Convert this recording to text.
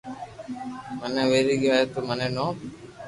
منو ويري گيو ھي تو مني ٺوپ